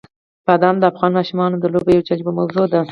بادام د افغان ماشومانو د لوبو یوه جالبه موضوع ده.